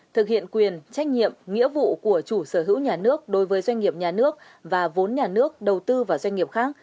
thực hiện quyền trách nhiệm nghĩa vụ của chủ sở hữu nhà nước đối với doanh nghiệp nhà nước và vốn nhà nước đầu tư vào doanh nghiệp khác